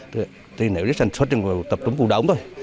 tuy nếu đi sản xuất thì tập trung vùng đống thôi